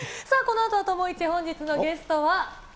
さあ、このあとは友イチ、本日のゲストは。